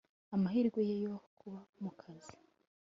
amahirwe ye yo kuba mukazi